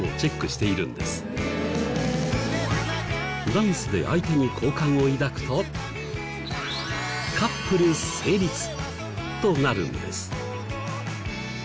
ダンスで相手に好感を抱くとカップル成立となるんです。